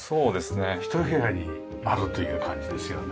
ひと部屋になるという感じですよね。